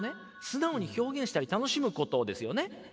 素直に表現したり楽しむことですよね。